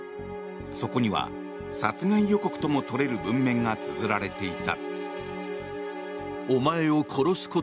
そこには、殺害予告ともとれる文面がつづられていた。